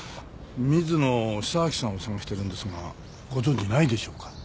水野久明さんを捜してるんですがご存じないでしょうか？